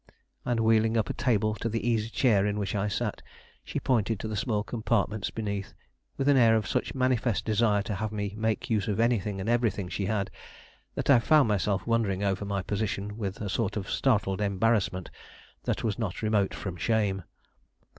And wheeling up a table to the easy chair in which I sat, she pointed to the small compartments beneath, with an air of such manifest desire to have me make use of anything and everything she had, that I found myself wondering over my position with a sort of startled embarrassment that was not remote from shame.